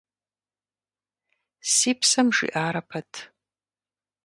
Си псэм жиӀарэ пэт…